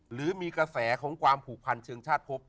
หรือมีกระแสของความผูกพันเชิงชาติพบ